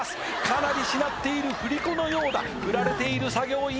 かなりしなっている振り子のようだ振られている作業員